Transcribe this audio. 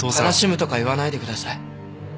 悲しむとか言わないでください。